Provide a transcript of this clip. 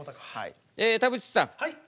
え田渕さん